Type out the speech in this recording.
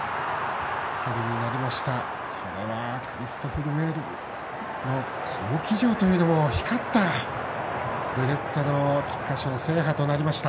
これはクリストフ・ルメールの好騎乗というのも光ったドゥレッツァの菊花賞制覇となりました。